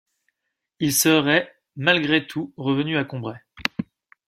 Il serait malgré tout revenu à Combray.